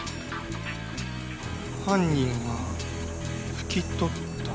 犯人が拭き取った？